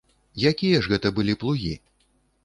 Якія ж гэта былі плугі?